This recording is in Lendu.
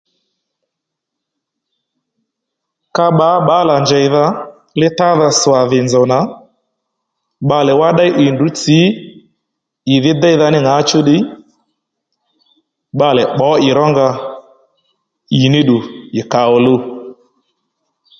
Ka bbǎ bbǎlà njèydha li thádha swà dhì nzòw nà bbalè wá ddéy ì ndrǔ tsǐ ì dhí déydha ní ŋǎchú ddiy bbalè bbǒ ì ró nga ì ní ddù ì kà òluw